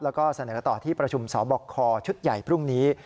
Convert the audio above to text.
แล้วก็เสนอต่อที่ประชุมสบคชุดใหญ่พรุ่งนี้